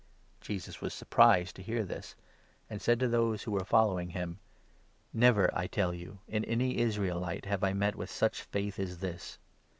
Jesus was surprised to hear this, and said to those who were 10 following him : "Never, I tell you, in any Israelite have I met with such faith as this